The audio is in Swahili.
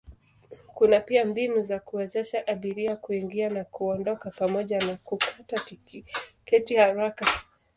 Kuna pia mbinu za kuwezesha abiria kuingia na kuondoka pamoja na kukata tiketi haraka.